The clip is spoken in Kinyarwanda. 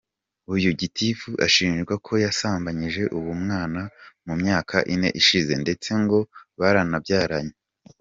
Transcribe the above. Uyu Gitifu ashinjwa ko yasambanyije uwo mwana mu myaka ine ishize, ndetse ngo baranabyaranye.